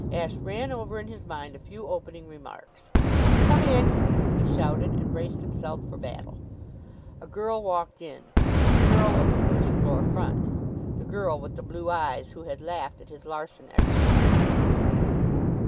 Ashe ran over in his mind a few opening remarks. "Come in!" he shouted, and braced himself for battle. A girl walked in the girl of the first floor front; the girl with the blue eyes, who had laughed at his Larsen Exercises.